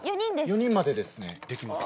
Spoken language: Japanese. ４人までですねできます。